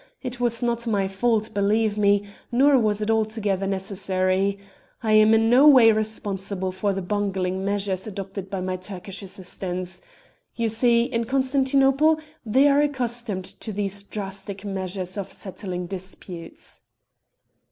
It was not my fault, believe me, nor was it altogether necessary. I am in no way responsible for the bungling measures adopted by my Turkish assistants. You see, in Constantinople they are accustomed to these drastic means of settling disputes.'